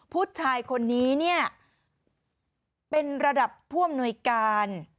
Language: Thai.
ผู้ชายคนนี้เนี้ยเป็นระดับพ่วงหน่วยการ